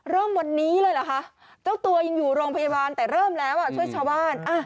เริ่มวันนี้เลยเหรอคะเจ้าตัวยังอยู่โรงพยาบาลแต่เริ่มแล้วช่วยชาวบ้าน